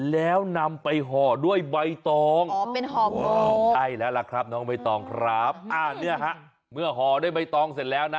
แล้วนำไปห่อด้วยใบตอง